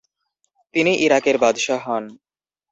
তিনি ইরাকের বাদশাহ হন।